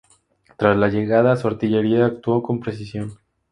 Tras la llegada, su artillería actuó con precisión.